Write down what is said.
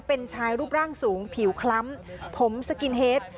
เป็นชายรูปร่างสูงผิวคล้ำผมสกินเฮด